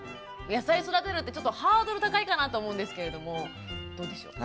野菜育てるってちょっとハードル高いかなと思うんですけれどもどうでしょう？